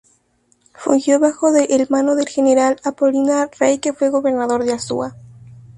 Fungió bajo el mano del general Apolinar Rey que fue Gobernador de Azua.